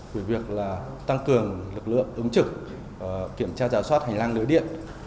về việc tăng cường lực lượng ứng trực kiểm tra rào soát hành lang nới điện